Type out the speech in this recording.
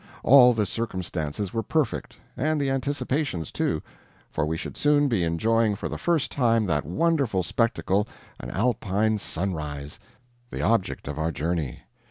All the circumstances were perfect and the anticipations, too, for we should soon be enjoying, for the first time, that wonderful spectacle, an Alpine sunrise the object of our journey.